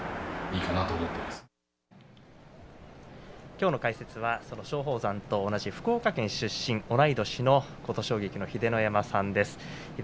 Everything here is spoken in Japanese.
きょうの解説は松鳳山と同じ福岡県出身同い年の琴奨菊の秀ノ山さんです。